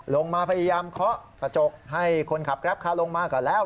ลงมาพยายามเคาะกระจกให้คนขับแกรปคาลงมาก่อนแล้ว